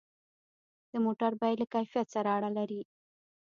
د موټر بیه له کیفیت سره اړه لري.